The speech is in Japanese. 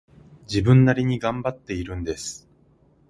自分なりに頑張っているんです